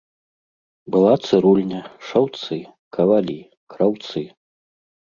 Была цырульня, шаўцы, кавалі, краўцы.